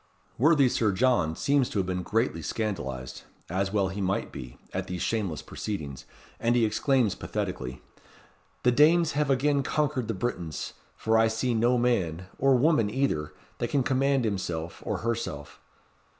Worthy Sir John seems to have been greatly scandalized, as he well might be, at these shameless proceedings, and he exclaims pathetically, "The Danes have again conquered the Britons; for I see no man, or woman either, that can command himself or herself."